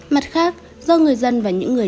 mặt khác do người dân và những người